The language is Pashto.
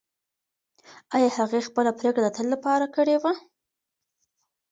ایا هغې خپله پرېکړه د تل لپاره کړې وه؟